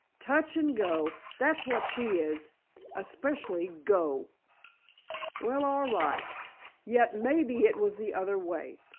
Touch and go—that's what she is! Especially go!" "Well, all right. Yet, maybe it was the other way.